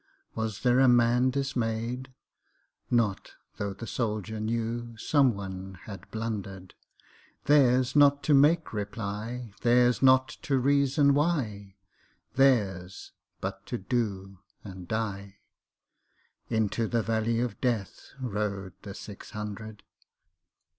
Was there a man dismay'd? Not tho' the soldier knewSome one had blunder'd:Theirs not to make reply, Theirs not to reason why, Theirs but to do and die:Into the valley of DeathRode the six hundred.